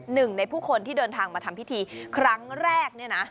หนึ่งในผู้คนที่เดินทางมาทำพิธีครั้งแรกเนี่ยนะ